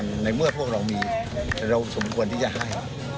ในเมื่อปวกเราที่จะไห้